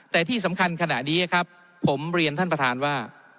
แต่ที่สำคัญขณะนี้ครับผมเรียนท่านประธานว่า